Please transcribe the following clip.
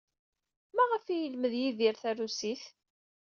Maɣef ay yelmed Yidir tarusit?